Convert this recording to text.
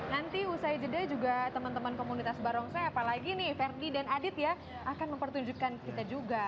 nanti usai jeda juga teman teman komunitas barongsai apalagi nih verdi dan adit ya akan mempertunjukkan kita juga